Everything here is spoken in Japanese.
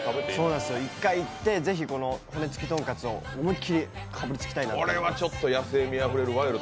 １回行って、是非この骨付とんかつを思いっきりかぶりつきたいなと思っています。